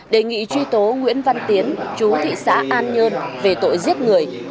đề nghị truy tố nguyễn văn tiến chú thị xã an nhơn về tội giết người